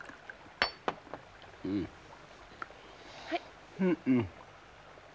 はい。